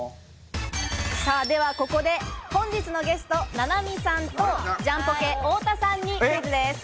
ではここで本日のゲスト、菜波さんとジャンポケ・太田さんにクイズです。